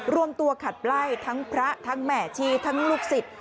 รวมตัวขัดไล่ทั้งพระทั้งแม่ชีทั้งลูกศิษย์